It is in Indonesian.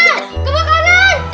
ganggu aja sih